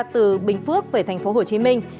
từ bình phước về thành phố hồ chí minh